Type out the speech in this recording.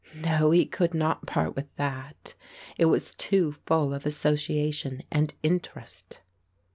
No, he could not part with that. It was too full of association and interest.